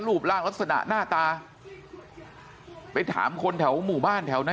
รูปร่างลักษณะหน้าตาไปถามคนแถวหมู่บ้านแถวนั้น